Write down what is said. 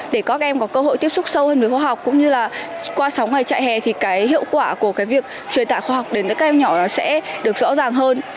để các em có cơ hội tiếp xúc sâu hơn với khoa học cũng như là qua sáu ngày chạy hè thì cái hiệu quả của cái việc truyền tải khoa học đến các em nhỏ nó sẽ được rõ ràng hơn